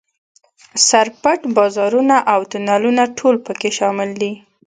سر پټ بازارونه او تونلونه ټول په کې شامل دي.